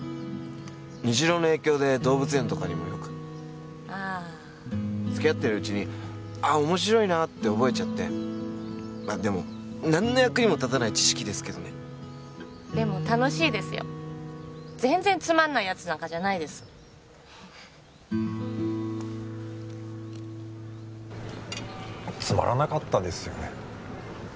虹朗の影響で動物園とかにもよくああつきあってるうちにあっ面白いなって覚えちゃってまあでも何の役にも立たない知識ですけどねでも楽しいですよ全然つまんないやつなんかじゃないですつまらなかったですよね